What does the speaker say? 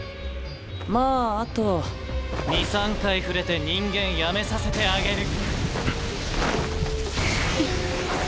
まああと２３回触れて人間やめさせてあげる。